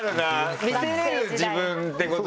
見せれる自分ってこと。